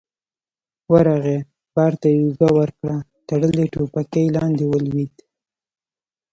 ورغی، بار ته يې اوږه ورکړه، تړلې ټوپکې لاندې ولوېدې.